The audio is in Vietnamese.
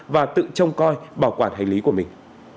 và tự trông coi bảo quản hành lý của mình